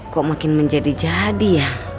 kok makin menjadi jadi ya